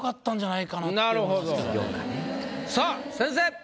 さあ先生！